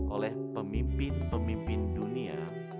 oleh pemimpin pemimpin dunia